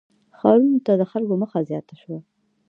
• ښارونو ته د خلکو مخه زیاته شوه.